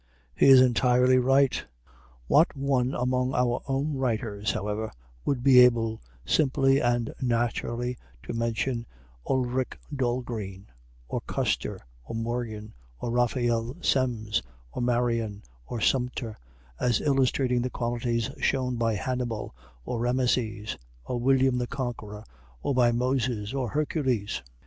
He is entirely right! What one among our own writers, however, would be able simply and naturally to mention Ulrich Dahlgren, or Custer, or Morgan, or Raphael Semmes, or Marion, or Sumter, as illustrating the qualities shown by Hannibal, or Rameses, or William the Conqueror, or by Moses or Hercules?